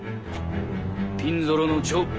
ピンゾロの丁。